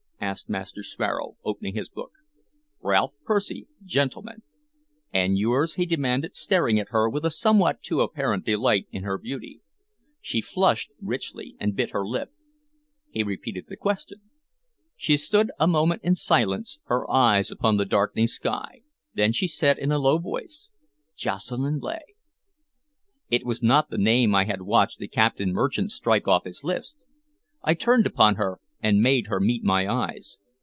asked Master Sparrow, opening his book. "Ralph Percy, Gentleman." "And yours?" he demanded, staring at her with a somewhat too apparent delight in her beauty. She flushed richly and bit her lip. He repeated the question. She stood a minute in silence, her eyes upon the darkening sky. Then she said in a low voice, "Jocelyn Leigh." It was not the name I had watched the Cape Merchant strike off his list. I turned upon her and made her meet my eyes.